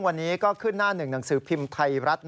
วันนี้ก็ขึ้นหน้าหนึ่งหนังสือพิมพ์ไทยรัฐ